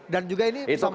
dan juga ini